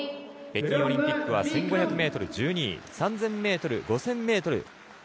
北京オリンピックは１５００ｍ１２位３０００ｍ、５０００ｍいずれも５位。